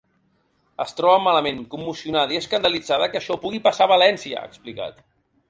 Es troba malament, commocionada i escandalitzada que això pugui passar a València, ha explicat.